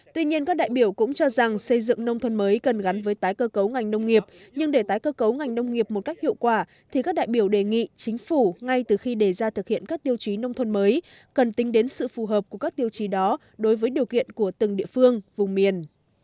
tuy nhiên các đại biểu cũng cho rằng xây dựng nông thôn mới cần gắn với tái cơ cấu ngành nông nghiệp nhưng để tái cơ cấu ngành nông nghiệp một cách hiệu quả thì các đại biểu đề nghị chính phủ ngay từ khi đề ra thực hiện các tiêu chí nông thôn mới cần tính đến sự phù hợp của các tiêu chí đó đối với điều kiện của từng địa phương vùng miền